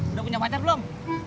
udah punya pacar belum